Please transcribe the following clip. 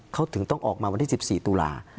เขาถึงต้องออกมาวันที่๑๔ตุลา